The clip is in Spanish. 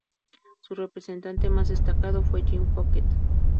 Su representante más destacado fue Jean Fouquet.